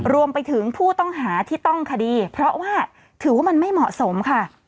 รวมไปถึงผู้ต้องหาที่ต้องคดีเพราะว่าถือว่ามันไม่เหมาะสมค่ะ